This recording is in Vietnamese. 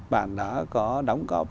bạn đã có đóng góp